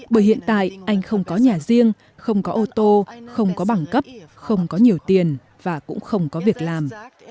bởi hiện tại anh không có nhà riêng không có ô tô không có bằng cấp không có nhiều tiền và cũng không có việc làm